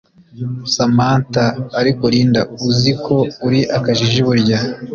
Samantha ariko Linda uzi ko uri akajiji burya